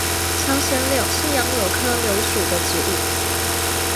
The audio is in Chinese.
朝鲜柳是杨柳科柳属的植物。